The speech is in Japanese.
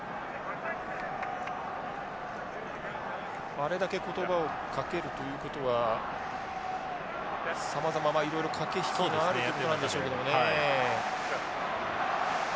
あれだけ言葉をかけるということはさまざまいろいろ駆け引きがあるということなんでしょうけどもね。